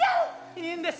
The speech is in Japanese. いいんです！